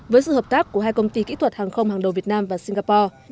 với sự hợp tác của hai công ty kỹ thuật hàng không hàng đầu việt nam và singapore